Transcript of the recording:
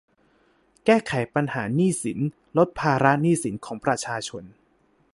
แก้ไขปัญหาหนี้สิน ลดภาระหนี้สินของประชาชน